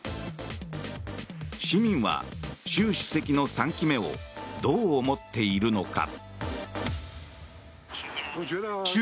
市民は習主席の３期目をどう思っているのか。